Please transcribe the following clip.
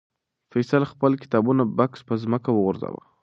فیصل خپل د کتابونو بکس په ځمکه وغورځاوه.